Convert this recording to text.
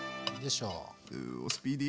うおスピーディー！